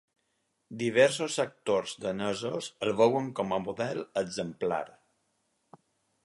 Diversos actors danesos el veuen com a model exemplar.